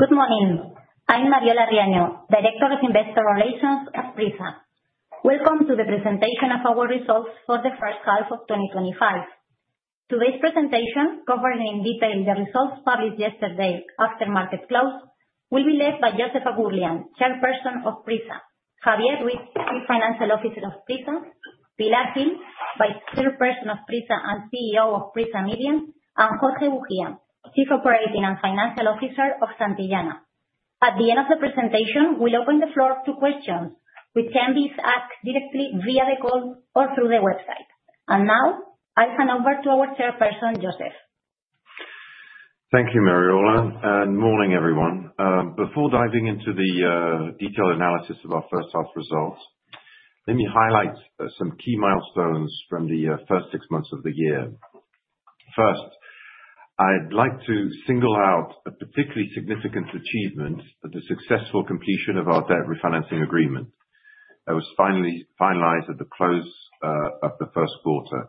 Good morning. I'm Mariola Riaño, Director of Investor Relations at PRISA. Welcome to the presentation of our results for the first half of 2025. Today's presentation, covering in detail the results published yesterday after market close, will be led by Joseph Oughourlian, Chairperson of PRISA, Javier Ruiz, Chief Financial Officer of PRISA, Pilar Gil, Vice Chairperson of PRISA and CEO of PRISA Media, and Jorge Boucher, Chief Operating and Financial Officer of Santillana. At the end of the presentation, we'll open the floor to questions, which can be asked directly via the call or through the website. I hand over to our Chairperson, Joseph. Thank you, Mariola. Good morning, everyone. Before diving into the detailed analysis of our first half results, let me highlight some key milestones from the first six months of the year. First, I'd like to single out a particularly significant achievement: the successful completion of our debt refinancing agreement that was finally finalized at the close of the first quarter.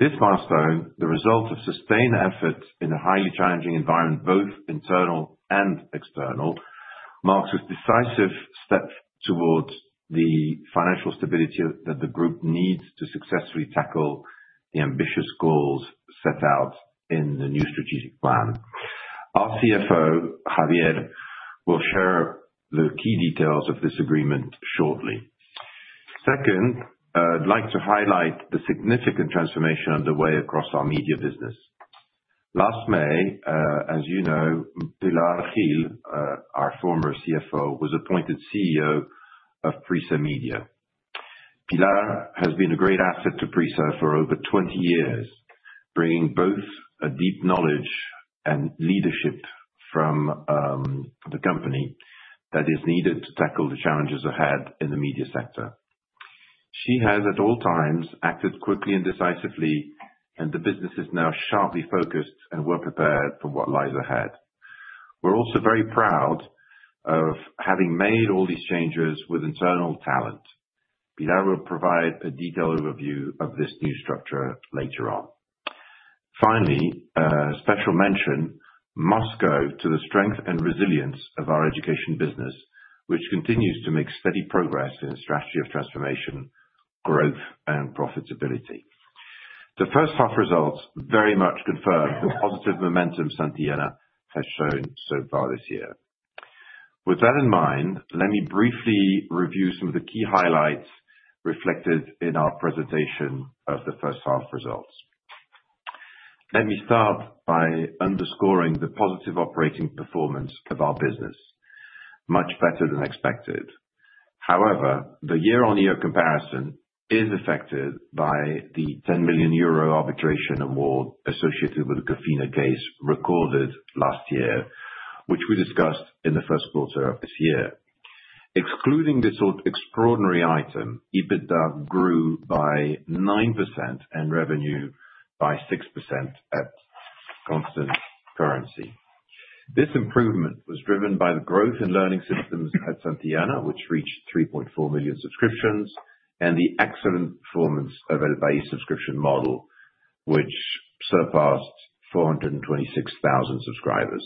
This milestone, the result of sustained effort in a highly challenging environment, both internal and external, marks a decisive step towards the financial stability that the group needs to successfully tackle the ambitious goals set out in the new strategic plan. Our CFO, Javier, will share the key details of this agreement shortly. Second, I'd like to highlight the significant transformation underway across our media business. Last May, as you know, Pilar Gil, our former CFO, was appointed CEO of PRISA Media. Pilar has been a great asset to PRISA for over 20 years, bringing both deep knowledge and leadership from the company that is needed to tackle the challenges ahead in the media sector. She has, at all times, acted quickly and decisively, and the business is now sharply focused and well prepared for what lies ahead. We're also very proud of having made all these changes with internal talent. Pilar will provide a detailed overview of this new structure later on. Finally, a special mention must go to the strength and resilience of our education business, which continues to make steady progress in its strategy of transformation, growth, and profitability. The first half results very much confirm the positive momentum Santillana has shown so far this year. With that in mind, let me briefly review some of the key highlights reflected in our presentation of the first half results. Let me start by underscoring the positive operating performance of our business, much better than expected. However, the year-on-year comparison is affected by the €10 million arbitration award associated with the Cofina case recorded last year, which we discussed in the first quarter of this year. Excluding this extraordinary item, EBITDA grew by 9% and revenue by 6% at constant currency. This improvement was driven by the growth in learning systems at Santillana, which reached 3.4 million subscriptions, and the excellent performance of the base subscription model, which surpassed 426,000 subscribers.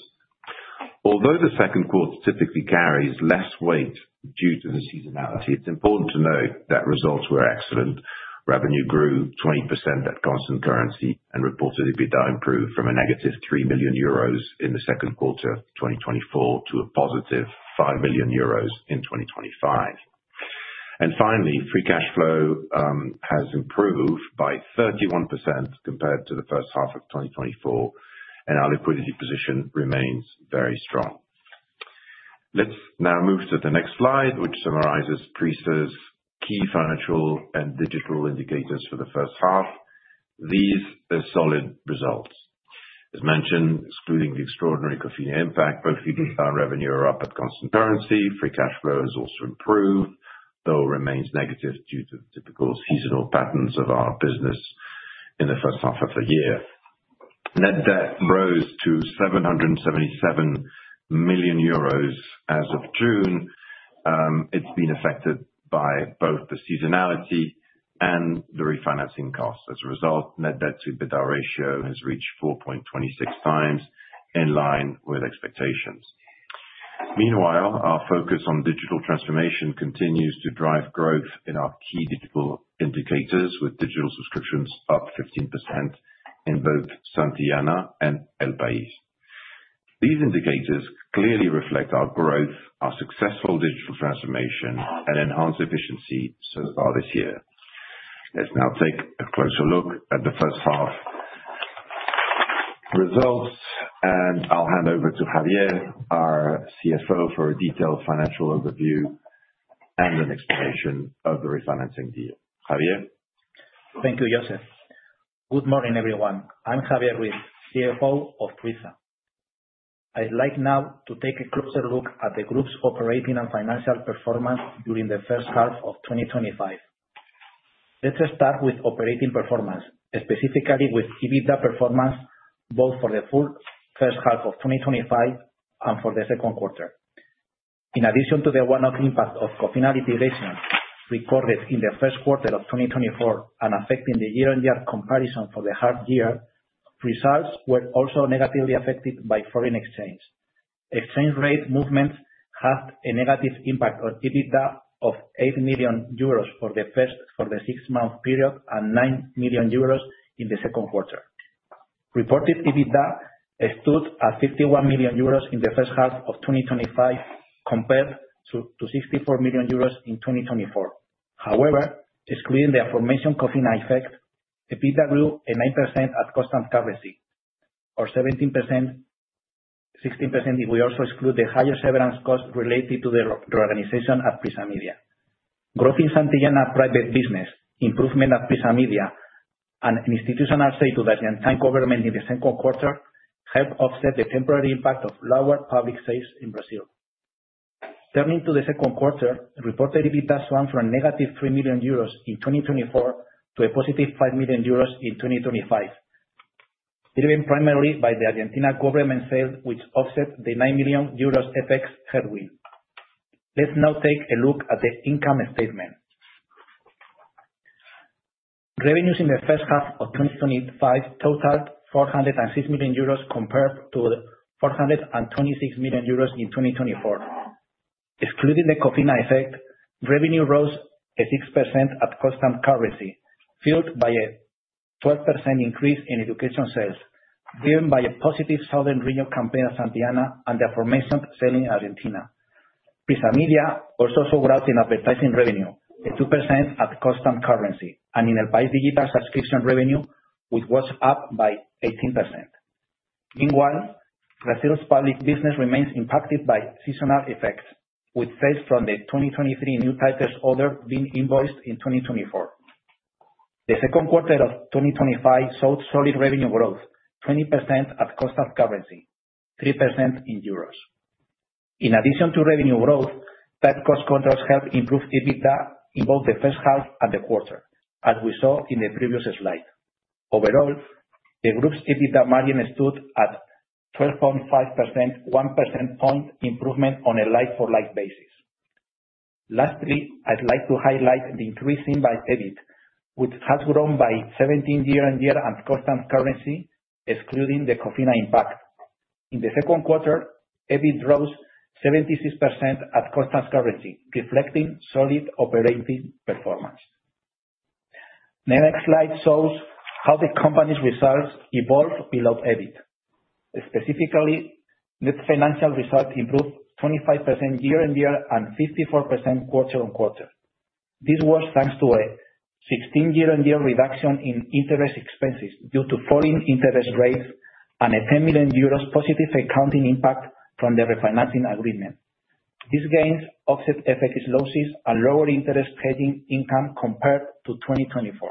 Although the second quarter typically carries less weight due to the seasonality, it's important to note that results were excellent. Revenue grew 20% at constant currency, and reportedly did improve from a negative €3 million in the second quarter of 2024 to a positive €5 million in 2025. Finally, free cash flow has improved by 31% compared to the first half of 2024, and our liquidity position remains very strong. Let's now move to the next slide, which summarizes PRISA's key financial and digital indicators for the first half. These are solid results. I mentioned, excluding the extraordinary Cafeyn impact, both EBITDA and revenue are up at constant currency. Free cash flow has also improved, though it remains negative due to the typical seasonal patterns of our business in the first half of the year. Net debt rose to €777 million as of June. It's been affected by both the seasonality and the refinancing costs. As a result, net debt to EBITDA ratio has reached 4.26 times in line with expectations. Meanwhile, our focus on digital transformation continues to drive growth in our key digital indicators, with digital subscriptions up 15% in both Santillana and El País. These indicators clearly reflect our growth, our successful digital transformation, and enhanced efficiency so far this year. Let's now take a closer look at the first half results, and I'll hand over to Javier, our CFO, for a detailed financial overview and an explanation of the refinancing deal. Javier? Thank you, Joseph. Good morning, everyone. I'm Javier Ruiz, CFO of PRISA. I'd like now to take a closer look at the group's operating and financial performance during the first half of 2025. Let's start with operating performance, specifically with EBITDA performance both for the full first half of 2025 and for the second quarter. In addition to the one-off impact of Cofina durations recorded in the first quarter of 2024 and affecting the year-on-year comparison for the hard year, results were also negatively affected by foreign exchange. Exchange rate movements had a negative impact on EBITDA of €8 million for the first six-month period and €9 million in the second quarter. Reported EBITDA exceeded €51 million in the first half of 2025 compared to €64 million in 2024. However, excluding the aforementioned Cofina effect, EBITDA grew at 9% at constant currency, or 17%, 16% if we also exclude the higher severance costs related to the reorganization at PRISA Media. Growth in Santillana private business, improvement at PRISA Media, and an institutional sale to the Argentine government in the second quarter helped offset the temporary impact of lower public sales in Brazil. Turning to the second quarter, reported EBITDA swung from €3 million in 2024 to a positive €5 million in 2025, driven primarily by the Argentine government sale, which offset the €9 million effects headwind. Let's now take a look at the income statement. Revenues in the first half of 2025 totaled €406 million compared to €426 million in 2024. Excluding the Cofina effect, revenue rose at 6% at constant currency, fueled by a 12% increase in education sales, driven by a positive Southern Radio campaign at Santillana and the aforementioned sale in Argentina. PRISA Media also saw a lift in advertising revenue, at 2% at constant currency, and in El País digital subscription revenue, which was up by 18%. Meanwhile, Brazil's public business remains impacted by seasonal effects, with sales from the 2023 new titles order being invoiced in 2024. The second quarter of 2025 saw solid revenue growth, 20% at constant currency, 3% in euros. In addition to revenue growth, tight cost controls helped improve EBITDA in both the first half and the quarter, as we saw in the previous slide. Overall, the group's EBITDA margin stood at 12.5%, a one percent point improvement on a like for like basis. Lastly, I'd like to highlight the increase in EBITDA, which has grown by 17% year-on-year at constant currency, excluding the Cofina impact. In the second quarter, EBIT rose 76% at constant currency, reflecting solid operating performance. The next slide shows how the company's results evolved without EBIT. Specifically, net financial result improved 25% year-on-year and 54% quarter-on-quarter. This was thanks to a 16% year-on-year reduction in interest expenses due to falling interest rates and a €10 million positive accounting impact from the refinancing agreement. These gains offset FX losses and lower interest trading income compared to 2024.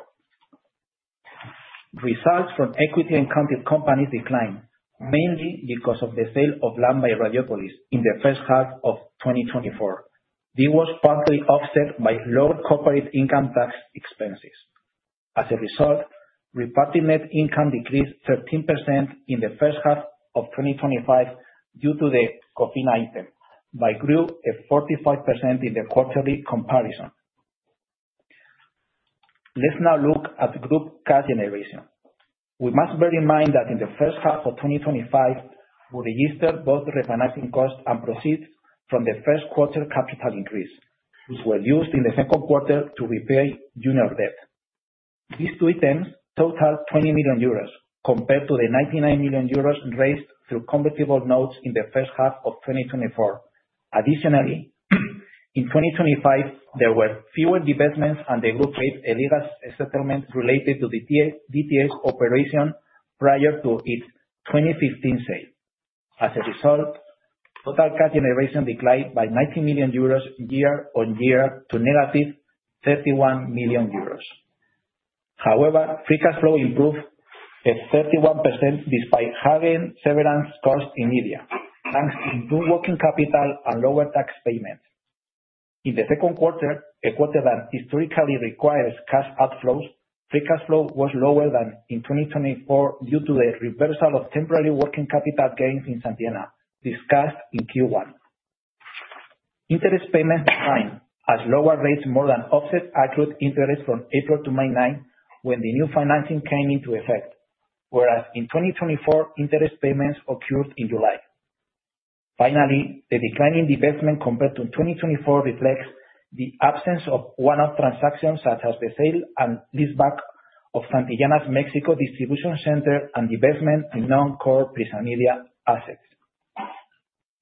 Results from equity-accounted companies declined, mainly because of the sale of land by Radiópolis in the first half of 2024. This was partly offset by lower corporate income tax expenses. As a result, reported net income decreased 13% in the first half of 2025 due to the Cofina item, but grew at 45% in the quarterly comparison. Let's now look at the group cash generation. We must bear in mind that in the first half of 2025, we registered both refinancing costs and proceeds from the first quarter capital increase, which were used in the second quarter to repay junior debt. These two items totaled €20 million compared to the €99 million raised through convertible notes in the first half of 2024. Additionally, in 2025, there were fewer divestments and the group faced legal settlements related to the DTS operation prior to its 2015 sale. As a result, total cash generation declined by €19 million year-on-year to a negative €31 million. However, free cash flow improved at 31% despite having severance costs in India, hence improved working capital and lower tax payments. In the second quarter, a quarter that historically requires cash outflows, free cash flow was lower than in 2024 due to the reversal of temporary working capital gains in Santillana, discussed in Q1. Interest payments shine, as lower rates more than offset accrued interest from April to May 9 when the new financing came into effect, whereas in 2024, interest payments occurred in July. Finally, the declining divestment compared to 2024 reflects the absence of one-off transactions such as the sale and leaseback of Santillana's Mexico distribution center and divestment in non-core PRISA Media assets.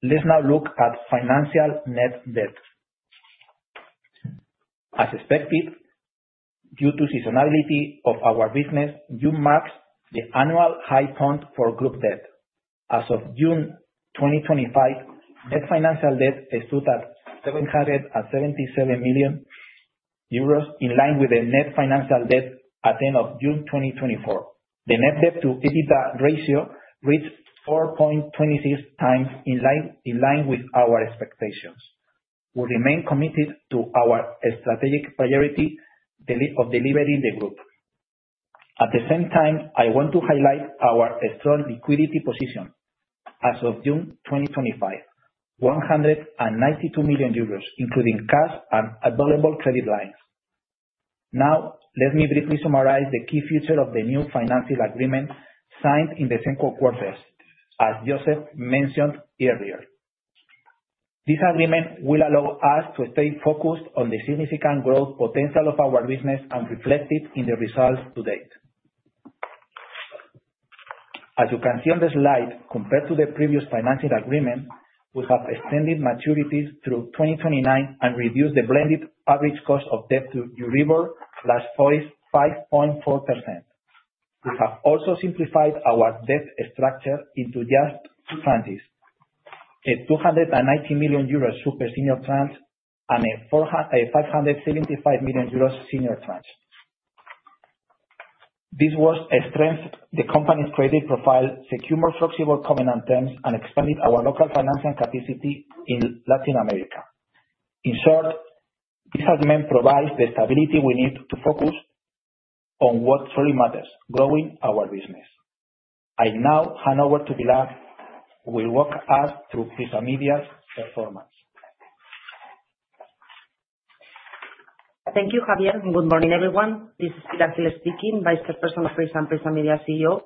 Let's now look at financial net debt. As expected, due to the seasonality of our business, June marks the annual high point for group debt. As of June 2025, net financial debt stood at €777 million, in line with the net financial debt at the end of June 2024. The net debt to EBITDA ratio reached 4.26 times in line with our expectations. We remain committed to our strategic priority of delivering the group. At the same time, I want to highlight our strong liquidity position. As of June 2025, €192 million, including cash and available credit lines. Now, let me briefly summarize the key features of the new refinancing agreement signed in the second quarter, as Joseph mentioned earlier. This agreement will allow us to stay focused on the significant growth potential of our business and reflect it in the results to date. As you can see on the slide, compared to the previous refinancing agreement, we have extended maturities through 2029 and reduced the blended average cost of debt to Euribor/FOIS 5.4%. We have also simplified our debt structure into just two tranches, a €219 million super senior tranche and a €575 million senior tranche. This was a strength that the company's credit profile secured more flexible commitment terms and expanded our local financing capacity in Latin America. In short, this agreement provides the stability we need to focus on what truly matters, growing our business. I now hand over to Pilar, who will walk us through PRISA Media's performance. Thank you, Javier. Good morning, everyone. This is Pilar Gil speaking, Vice Chairperson of PRISA and PRISA Media CEO.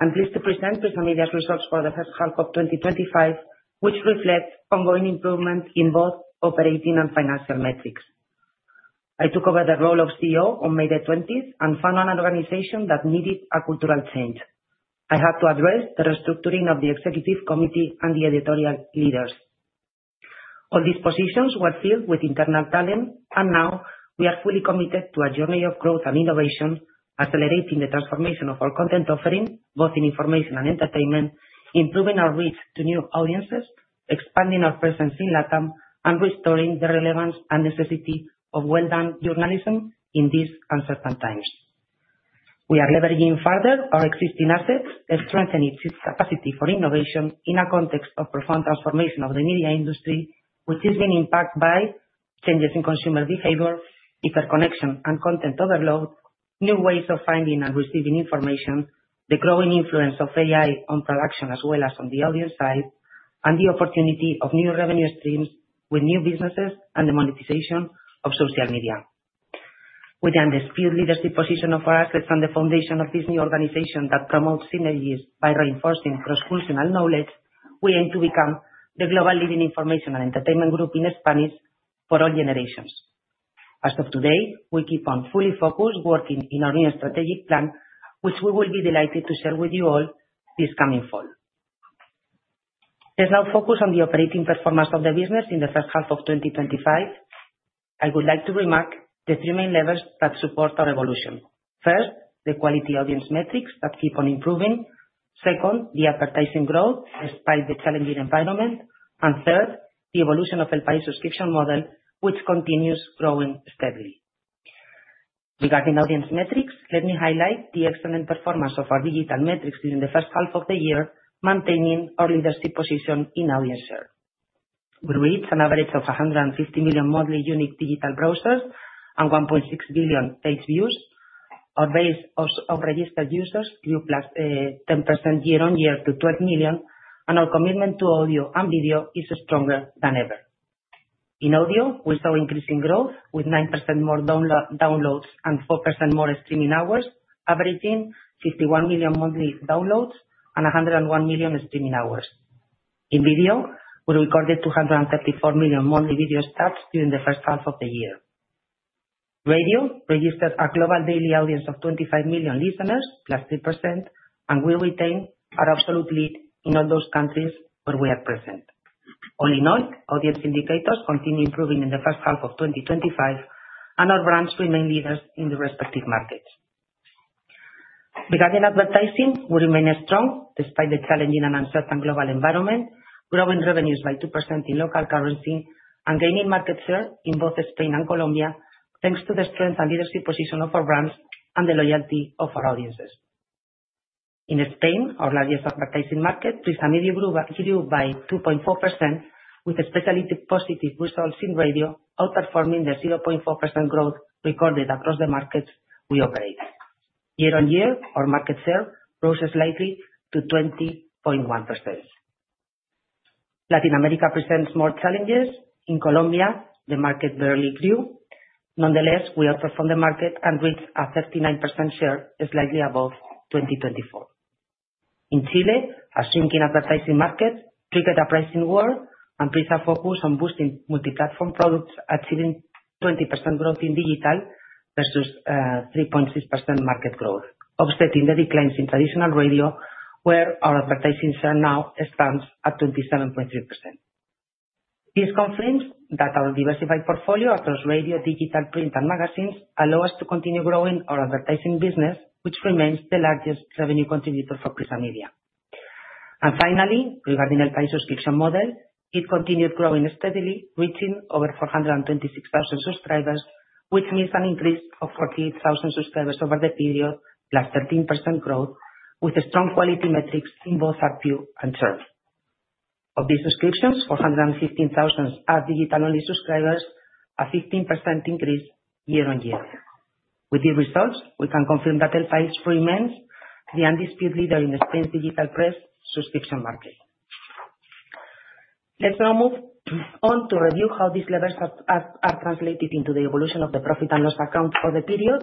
I'm pleased to present PRISA Media's results for the first half of 2025, which reflects ongoing improvement in both operating and financial metrics. I took over the role of CEO on May 20 and found an organization that needed a cultural change. I had to address the restructuring of the Executive Committee and the editorial leaders. All these positions were filled with internal talent, and now we are fully committed to a journey of growth and innovation, accelerating the transformation of our content offering, both in information and entertainment, improving our reach to new audiences, expanding our presence in Latam, and restoring the relevance and necessity of well-done journalism in these uncertain times. We are leveraging further our existing assets and strengthening its capacity for innovation in a context of profound transformation of the media industry, which has been impacted by changes in consumer behavior, interconnection and content overload, new ways of finding and receiving information, the growing influence of AI on production, as well as on the audience side, and the opportunity of new revenue streams with new businesses and the monetization of social media. With the undisputed leadership position of our assets and the foundation of this new organization that promotes synergies by reinforcing cross-cultural knowledge, we aim to become the global leading information and entertainment group in Spanish for all generations. As of today, we keep on fully focused working in our new strategic plan, which we will be delighted to share with you all this coming fall. Let's now focus on the operating performance of the business in the first half of 2025. I would like to remark the three main levers that support our evolution. First, the quality audience metrics that keep on improving. Second, the advertising growth despite the challenging environment. Third, the evolution of El País subscription model, which continues growing steadily. Regarding audience metrics, let me highlight the excellent performance of our digital metrics during the first half of the year, maintaining our leadership position in audience share. We reached an average of 150 million monthly unique digital browsers and 1.6 billion page views. Our base of registered users grew plus 10% year-on-year to 12 million, and our commitment to audio and video is stronger than ever. In audio, we saw increasing growth, with 9% more downloads and four percent more streaming hours, averaging 61 million monthly downloads and 101 million streaming hours. In video, we recorded 234 million monthly video stats during the first half of the year. Radio registered a global daily audience of 25 million listeners, plus three percent, and we retained our absolute lead in all those countries where we are present. Audience indicators continue improving in the first half of 2025, and our brands remain leaders in their respective markets. Regarding advertising, we remain strong despite the challenging and uncertain global environment, growing revenues by two percent in local currency, and gaining market share in both Spain and Colombia, thanks to the strength and leadership position of our brands and the loyalty of our audiences. In Spain, our largest advertising market, PRISA Media grew by 2.4%, with especially positive results in radio, outperforming the 0.4% growth recorded across the markets we operate. Year-on-year, our market share rose slightly to 20.1%. Latin America presents more challenges. In Colombia, the market barely grew. Nonetheless, we outperformed the market and reached a 39% share, slightly above 2024. In Chile, our sinking advertising markets triggered a pricing war, and place our focus on boosting multi-platform products, achieving 20% growth in digital versus 3.6% market growth, offsetting the declines in traditional radio, where our advertising share now stands at 27.3%. This confirms that our diversified portfolio across radio, digital, print, and magazines allows us to continue growing our advertising business, which remains the largest revenue contributor for PRISA Media. Finally, regarding El País subscription model, it continued growing steadily, reaching over 426,000 subscribers, which means an increase of 48,000 subscribers over the period, plus 13% growth, with strong quality metrics in both our view and churn. Of these subscriptions, 415,000 are digital-only subscribers, a 15% increase year-on-year. With these results, we can confirm that El País remains the undisputed leader in the Spain digital press subscription market. Let's now move on to review how these levers are translated into the evolution of the profit and loss accounts for the period.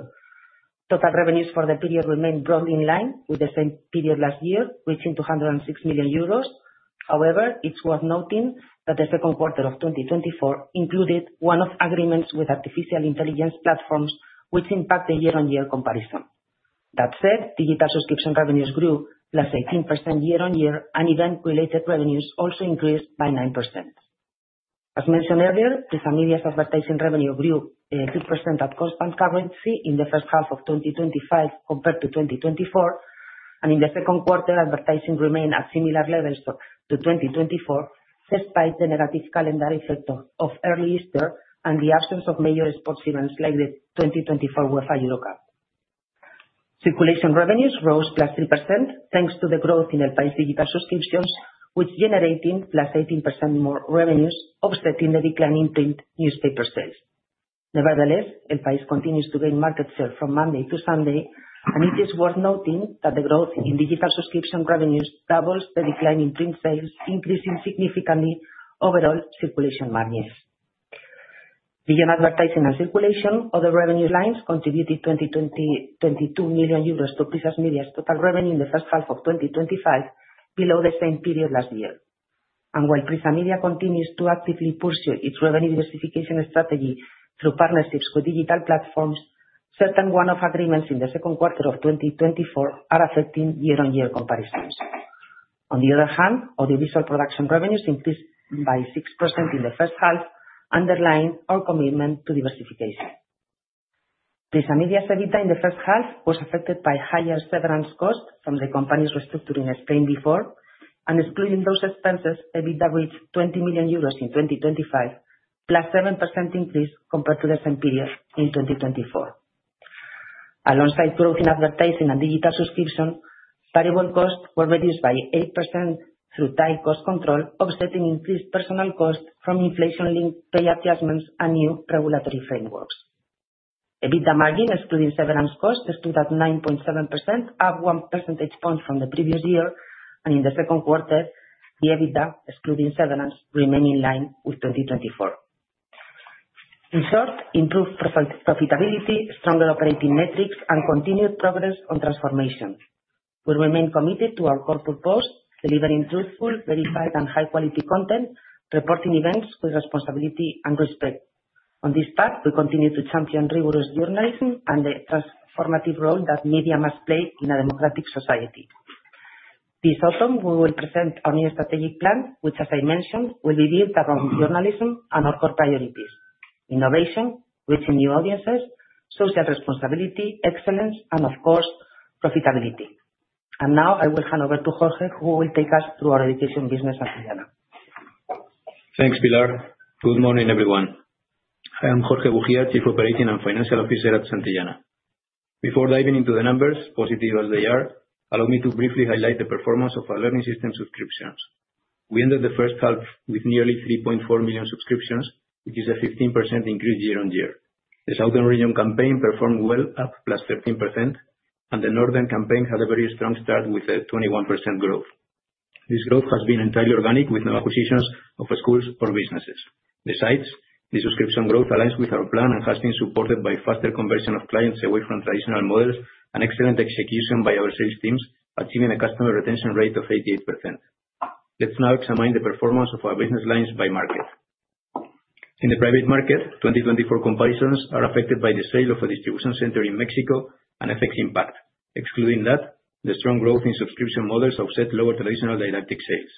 Total revenues for the period remain broadly in line with the same period last year, reaching €206 million. However, it's worth noting that the second quarter of 2024 included one-off agreements with artificial intelligence platforms, which impact the year-on-year comparison. That said, digital subscription revenues grew plus 18% year-on-year, and event-related revenues also increased by 9%. As mentioned earlier, PRISA Media's advertising revenue grew two percent at constant currency in the first half of 2025 compared to 2024, and in the second quarter, advertising remained at similar levels to 2024, despite the negative calendar effect of early Easter and the absence of major sports events like the 2024 UEFA Euro Cup. Circulation revenues rose plus three percent thanks to the growth in El País digital subscriptions, which generated plus 18% more revenues, offsetting the decline in print newspaper sales. Nevertheless, El País continues to gain market share from Monday to Sunday, and it is worth noting that the growth in digital subscription revenues doubles the decline in print sales, increasing significantly overall circulation margins. Beyond advertising and circulation, other revenue lines contributed €22 million to PRISA Media's total revenue in the first half of 2025, below the same period last year. While PRISA Media continues to actively pursue its revenue diversification strategy through partnerships with digital platforms, certain one-off agreements in the second quarter of 2024 are affecting year-on-year comparisons. On the other hand, audiovisual production revenues increased by six percent in the first half, underlining our commitment to diversification. PRISA Media's EBITDA in the first half was affected by higher severance costs from the company's restructuring in Spain before, and excluding those expenses, EBITDA reached €20 million in 2025, plus seven percent increase compared to the same period in 2024. Alongside growth in advertising and digital subscriptions, variable costs were reduced by eight percent through tight cost control, offsetting increased personnel costs from inflation-linked pay adjustments and new regulatory frameworks. EBITDA margin, excluding severance costs, stood at 9.7%, up one percent point from the previous year, and in the second quarter, the EBITDA, excluding severance, remained in line with 2024. In short, improved profitability, stronger operating metrics, and continued progress on transformation. We remain committed to our corporate posts, delivering truthful, verified, and high-quality content, reporting events with responsibility and respect. On this path, we continue to champion rigorous journalism and the transformative role that media must play in a democratic society. This autumn, we will present our new strategic plan, which, as I mentioned, will be built around journalism and our core priorities: innovation, reaching new audiences, social responsibility, excellence, and, of course, profitability. I will now hand over to Jorge, who will take us through our education business at Santillana. Thanks, Pilar. Good morning, everyone. I am Jorge Boucher, Chief Operating and Financial Officer at Santillana. Before diving into the numbers, positive as they are, allow me to briefly highlight the performance of our learning system subscriptions. We ended the first half with nearly 3.4 million subscriptions, which is a 15% increase year-on-year. The Southern Region campaign performed well, up 15%, and the Northern campaign had a very strong start with a 21% growth. This growth has been entirely organic, with no acquisitions of schools or businesses. Besides, the subscription growth aligns with our plan and has been supported by faster conversion of clients away from traditional models and excellent execution by our sales teams, achieving a customer retention rate of 88%. Let's now examine the performance of our business lines by market. In the private market, 2024 comparisons are affected by the sale of a distribution center in Mexico and effects impact. Excluding that, the strong growth in subscription models offset lower traditional didactic sales.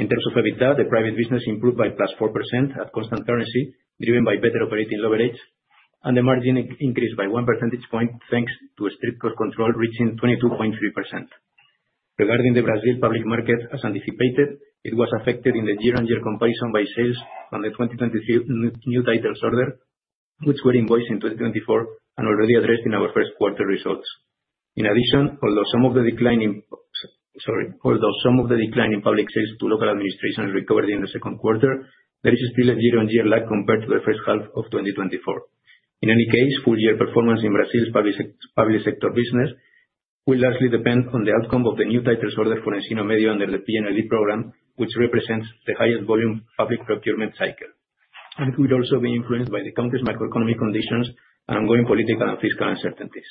In terms of EBITDA, the private business improved by four percent at constant currency, driven by better operating leverage, and the margin increased by one percentage point thanks to a strict code control, reaching 22.3%. Regarding the Brazil public market, as anticipated, it was affected in the year-on-year comparison by sales on the 2023 new titles order, which were invoiced in 2024 and already addressed in our first quarter results. In addition, although some of the decline in public sales to local administration recovered in the second quarter, there is still a year-on-year lag compared to the first half of 2024. In any case, full-year performance in Brazil's public sector business will largely depend on the outcome of the new titles order for Encina Media under the PNLD program, which represents the highest volume public procurement cycle. It will also be influenced by the country's macroeconomic conditions and ongoing political and fiscal uncertainties.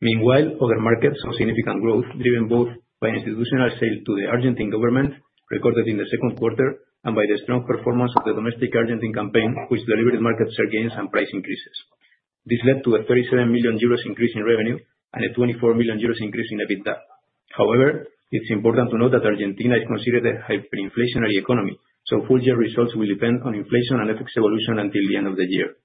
Meanwhile, other markets have significant growth, driven both by institutional sales to the Argentine government recorded in the second quarter and by the strong performance of the domestic Argentine campaign, which delivered market share gains and price increases. This led to a €37 million increase in revenue and a €24 million increase in EBITDA. However, it's important to note that Argentina is considered a hyperinflationary economy, so full-year results will depend on inflation and effects evolution until the end of the year.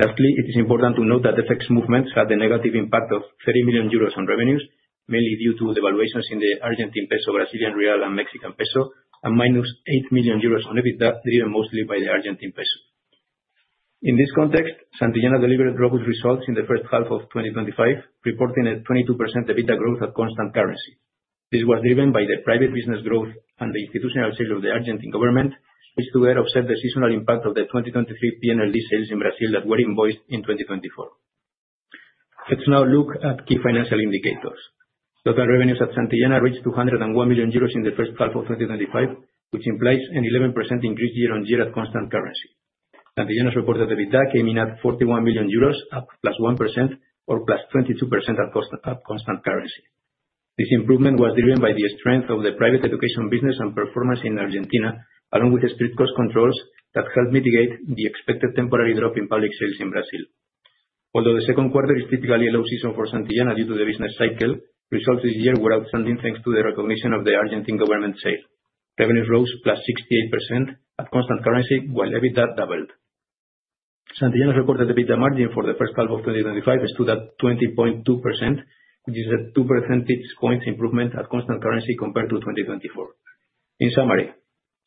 Lastly, it is important to note that FX movements had a negative impact of €30 million on revenues, mainly due to the valuations in the Argentine peso, Brazilian real, and Mexican peso, and minus €8 million on EBITDA, driven mostly by the Argentine peso. In this context, Santillana delivered robust results in the first half of 2025, reporting a 22% EBITDA growth at constant currency. This was driven by the private business growth and the institutional sale of the Argentine government, which together offset the seasonal impact of the 2023 PNLD lease sales in Brazil that were invoiced in 2024. Let's now look at key financial indicators. Total revenues at Santillana reached €201 million in the first half of 2025, which implies an 11% increase year-on-year at constant currency. Santillana's reported EBITDA came in at €41 million, up plus one percent, or plus 22% at constant currency. This improvement was driven by the strength of the private education business and performance in Argentina, along with strict cost controls that helped mitigate the expected temporary drop in public sales in Brazil. Although the second quarter is typically a low season for Santillana due to the business cycle, results this year were outstanding thanks to the recognition of the Argentine government sale. Revenues rose 68% at constant currency, while EBITDA doubled. Santillana's reported EBITDA margin for the first half of 2025 stood at 20.2%, which is a two percent points improvement at constant currency compared to 2024. In summary,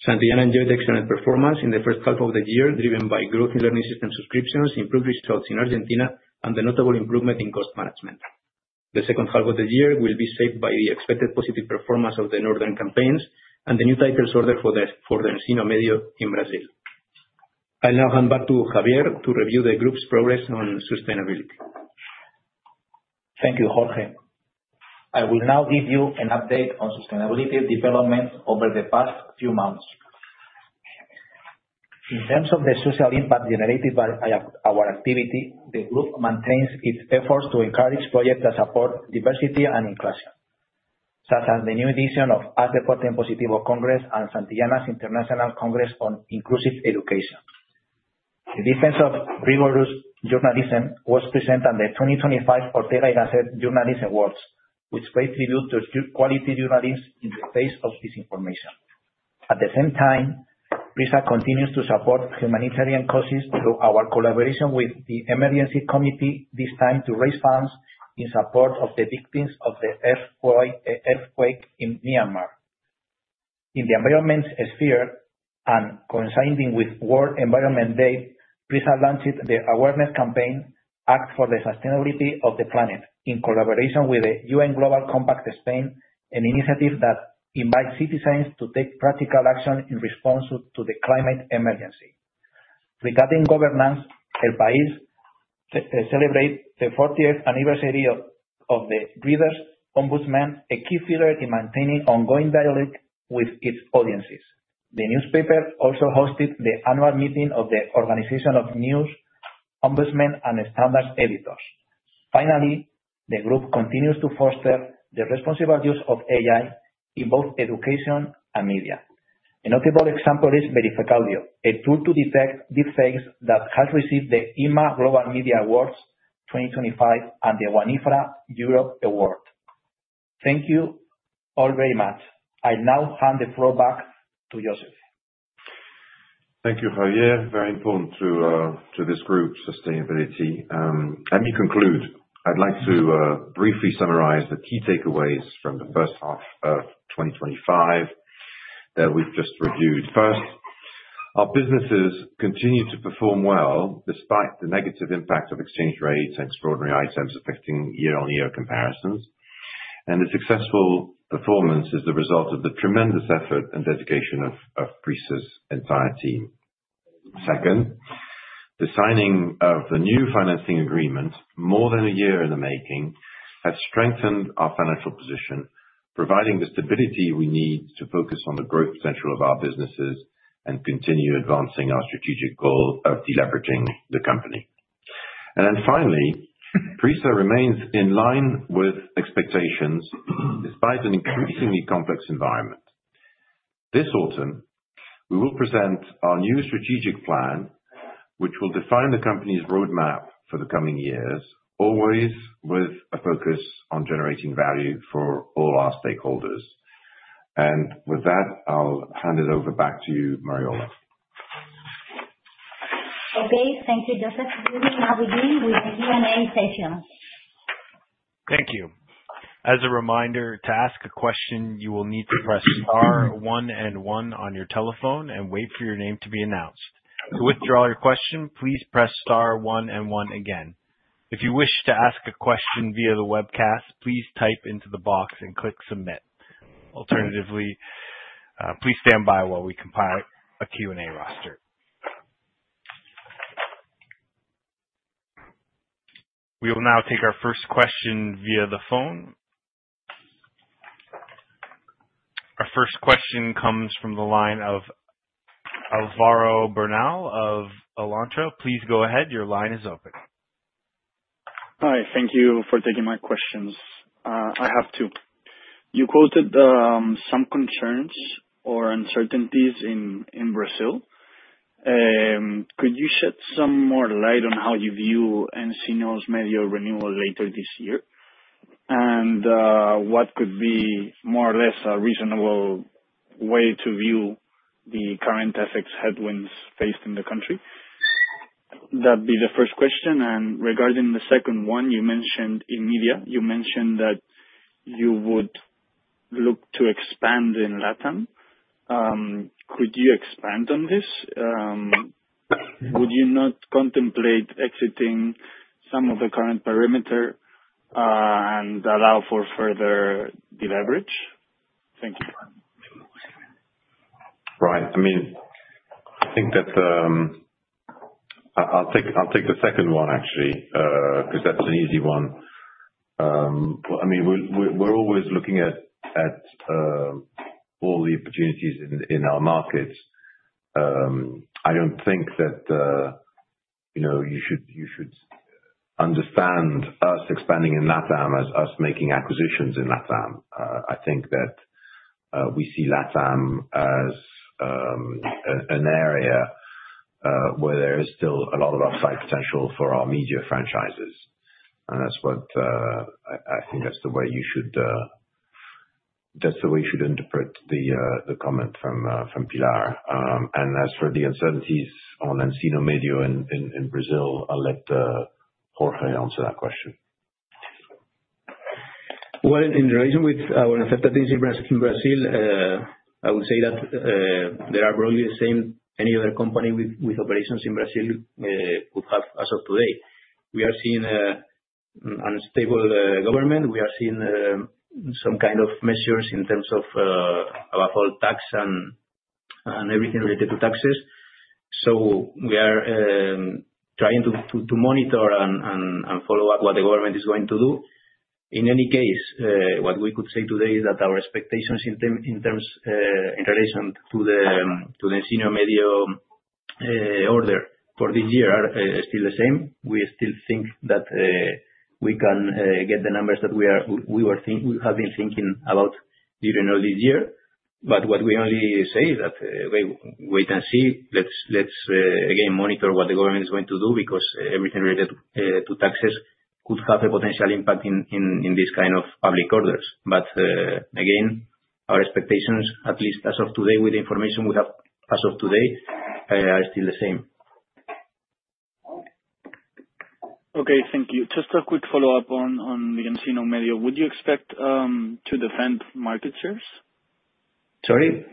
Santillana enjoyed excellent performance in the first half of the year, driven by growth in learning system subscriptions, improved results in Argentina, and the notable improvement in cost management. The second half of the year will be shaped by the expected positive performance of the Northern campaigns and the new titles order for Encina Media in Brazil. I'll now hand back to Javier to review the group's progress on sustainability. Thank you, Jorge. I will now give you an update on sustainability developments over the past few months. In terms of the social impact generated by our activity, the group maintains its efforts to encourage projects that support diversity and inclusion, such as the new edition of ADPORTEM Positivo Congress and Santillana's International Congress on Inclusive Education. The defense of rigorous journalism was presented at the 2025 Ortega y Gasset Journalist Awards, which pay tribute to strict quality journalists in the face of disinformation. At the same time, PRISA continues to support humanitarian causes through our collaboration with the Emergency Committee, this time to raise funds in support of the victims of the earthquake in Myanmar. In the environment sphere and coinciding with World Environment Day, PRISA launched the awareness campaign, Act for the Sustainability of the Planet, in collaboration with the UN Global Compact Spain, an initiative that invites citizens to take practical action in response to the climate emergency. Regarding governance, El País celebrated the 40th anniversary of the Reader's Ombudsman, a key figure in maintaining ongoing dialogue with its audiences. The newspaper also hosted the annual meeting of the Organization of News, Ombudsman, and Standards Editors. Finally, the group continues to foster the responsible use of AI in both education and media. A notable example is Verificallio, a tool to detect deepfakes that has received the IMA Global Media Awards 2025 and the WAN-IFRA Europe Award. Thank you all very much. I'll now hand the floor back to Joseph. Thank you, Javier. Very important to this group, sustainability. Let me conclude. I'd like to briefly summarize the key takeaways from the first half of 2025 that we've just reviewed. First, our businesses continue to perform well despite the negative impact of exchange rates and extraordinary items affecting year-on-year comparisons. The successful performance is the result of the tremendous effort and dedication of PRISA's entire team. Second, the signing of the new financing agreement, more than a year in the making, has strengthened our financial position, providing the stability we need to focus on the growth potential of our businesses and continue advancing our strategic goal of deleveraging the company. Finally, PRISA remains in line with expectations despite an increasingly complex environment. This autumn, we will present our new strategic plan, which will define the company's roadmap for the coming years, always with a focus on generating value for all our stakeholders. With that, I'll hand it over back to Mariola. Thank you, Joseph. We will now begin with the Q&A session. Thank you. As a reminder, to ask a question, you will need to press star one and one on your telephone and wait for your name to be announced. To withdraw your question, please press star one and one again. If you wish to ask a question via the webcast, please type into the box and click submit. Alternatively, please stand by while we compile a Q&A roster. We will now take our first question via the phone. Our first question comes from the line of Alvaro Bernal of El País. Please go ahead. Your line is open. Hi. Thank you for taking my questions. I have two. You quoted some concerns or uncertainties in Brazil. Could you shed some more light on how you view nCino’s Media's renewal later this year? What could be more or less a reasonable way to view the current effects headwinds faced in the country? That would be the first question. Regarding the second one, you mentioned in media, you mentioned that you would look to expand in Latam. Could you expand on this? Would you not contemplate exiting some of the current perimeter and allow for further deleveraging? Thank you. Right. I think that I'll take the second one, actually, because that's an easy one. We're always looking at all the opportunities in our markets. I don't think that you should understand us expanding in Latam as us making acquisitions in Latam. We see Latam as an area where there is still a lot of upside potential for our media franchises. I think that's the way you should interpret the comment from Pilar. As for the uncertainties on Encina Media in Brazil, I'll let Jorge answer that question. In relation with our uncertainties in Brazil, I would say that they are probably the same as any other company with operations in Brazil would have as of today. We are seeing an unstable government. We are seeing some kind of measures in terms of, above all, tax and everything related to taxes. We are trying to monitor and follow up what the government is going to do. In any case, what we could say today is that our expectations in terms in relation to the nCino media order for this year are still the same. We still think that we can get the numbers that we have been thinking about during all this year. What we only say is that we wait and see. Let's, again, monitor what the government is going to do because everything related to taxes could have a potential impact in these kinds of public orders. Again, our expectations, at least as of today, with the information we have as of today, are still the same. Okay. Thank you. Just for a quick follow-up on the nCino Media, would you expect to defend market shares? Sorry?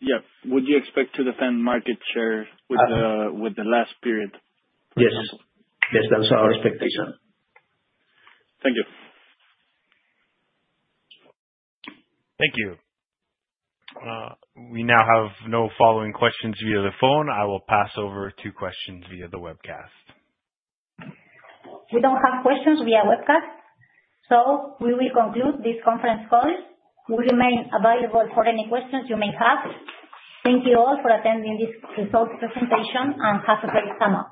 Yeah, would you expect to defend market share with the last period? Yes, that's our expectation. Thank you. Thank you. We now have no following questions via the phone. I will pass over to questions via the webcast. We don't have questions via webcast. We will conclude this conference call. We remain available for any questions you may have. Thank you all for attending this results presentation and have a great summer.